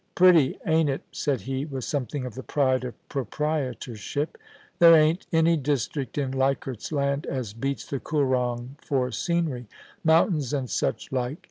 * Pretty, ain't it ?* said he, with something of the pride of proprietorship. * There ain't any district in Leichardfs Land as beats the Koorong for scenery — mountains and such like.